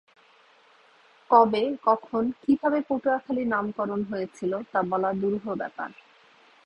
কবে, কখন, কিভাবে পটুয়াখালী নামকরণ হয়েছিল তা বলা দুরূহ ব্যাপার।